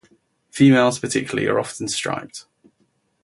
Females particularly are often striped.